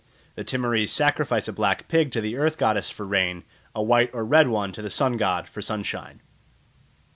The Timorese sacrifice a black pig to the Earth goddess for rain, a white or red one to the Sun god for sunshine.